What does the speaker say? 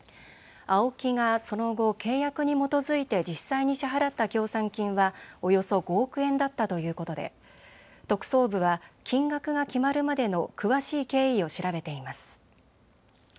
ＡＯＫＩがその後、契約に基づいて実際に支払った協賛金はおよそ５億円だったということで特捜部は金額が決まるまでの詳しい経緯を調べています。